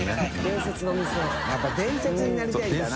やっぱ伝説になりたいんだな。